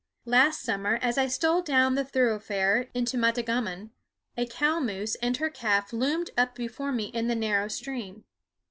Last summer, as I stole down the thoroughfare into Matagammon, a cow moose and her calf loomed up before me in the narrow stream.